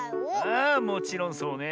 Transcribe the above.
あもちろんそうね。